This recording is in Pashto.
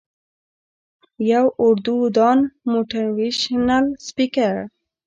يو اردو دان موټيوېشنل سپيکر